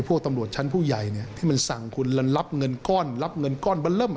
พวกตำรวจชั้นผู้ใหญ่เนี่ยที่มันสั่งคุณแล้วรับเงินก้อนรับเงินก้อนเบอร์เริ่ม